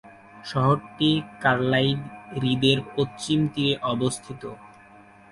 শহরটি কার্লাইল হ্রদের পশ্চিম তীরে অবস্থিত।